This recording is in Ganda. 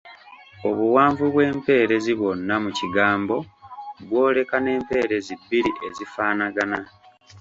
Obuwanvu bw’empeerezi bwonna mu kigambo bwolekwa n’empeerezi bbiri ezifaanagana.